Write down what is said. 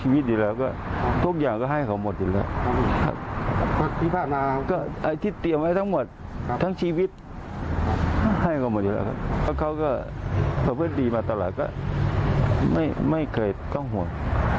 เพราะเพื่อนดีมาตลอดก็ไม่เคยต้องห่วง